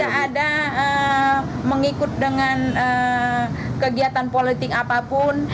tidak ada mengikut dengan kegiatan politik apapun